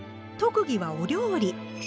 特技はお料理。